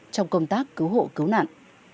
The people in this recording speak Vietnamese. trong công tác cứu hộ cứu nạn